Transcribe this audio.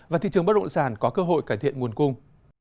và thị trường bất động sản có cơ hội cải thiện nguồn cung